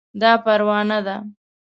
دا پروانه ده